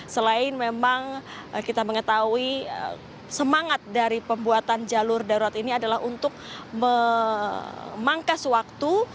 selain memang kita mengetahui semangat dari pembuatan jalur darurat ini adalah untuk memangkas waktu